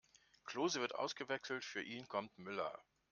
Klose wird ausgewechselt, für ihn kommt Müller.